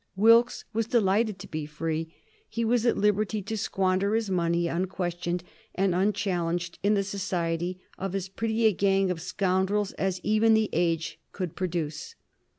Wilkes was delighted to be free. He was at liberty to squander his money unquestioned and unchallenged in the society of as pretty a gang of scoundrels as even the age could produce.